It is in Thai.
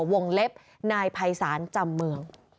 วงเล็บนายภัยศาลจำเมือง